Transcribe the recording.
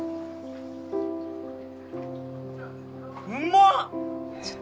うまっ！